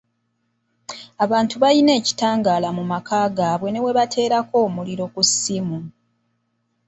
Abantu baalina ekitangaala mu maka gaabwe ne we bateerako omuliro ku ssimu.